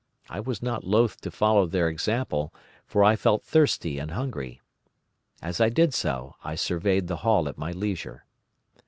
I was not loath to follow their example, for I felt thirsty and hungry. As I did so I surveyed the hall at my leisure.